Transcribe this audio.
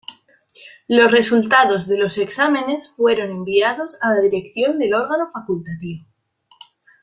Los resultados de los exámenes fueron enviados a la Dirección del Órgano Facultativo.